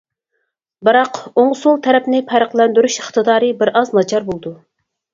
بىراق ئوڭ-سول تەرەپنى پەرقلەندۈرۈش ئىقتىدارى بىر ئاز ناچار بولىدۇ.